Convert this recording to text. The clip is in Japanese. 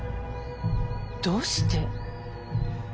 どうして？